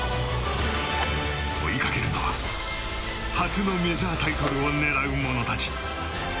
追いかけるのは初のメジャータイトルを狙う者たち。